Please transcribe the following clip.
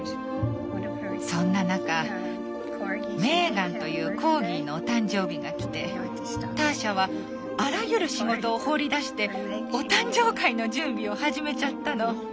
そんな中メーガンというコーギーのお誕生日がきてターシャはあらゆる仕事を放り出してお誕生会の準備を始めちゃったの。